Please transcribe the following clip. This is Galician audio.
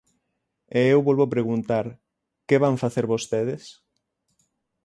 E eu volvo preguntar: ¿que van facer vostedes?